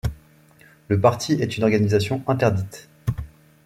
Le parti est une organisation interdite.